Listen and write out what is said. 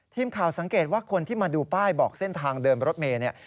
ทีมข่าวสังเกตว่าคนที่มาดูป้ายบอกเส้นทางเดินรถเมย์เนี่ย